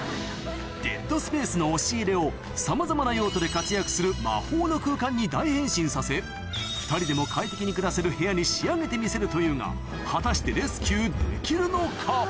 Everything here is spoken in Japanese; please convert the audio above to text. デッドスペースの押し入れをさまざまな用途で活躍する魔法の空間に大変身させ２人でも快適に暮らせる部屋に仕上げてみせるというが果たしてレスキューできるのか？